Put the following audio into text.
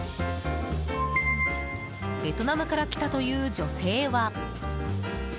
ベトナムから来たという女性は。